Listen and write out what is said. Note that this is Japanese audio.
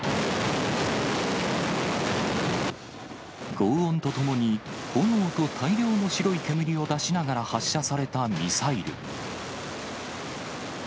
ごう音とともに、炎と大量の白い煙を出しながら発射されたミサイル。